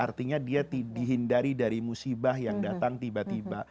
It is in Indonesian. artinya dia dihindari dari musibah yang datang tiba tiba